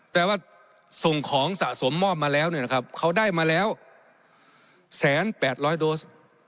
แต่ว่าส่งของสะสมมอบมาแล้วเนี่ยนะครับเขาได้มาแล้ว๑๘๐๐โดส